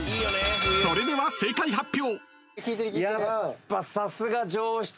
［それでは正解発表］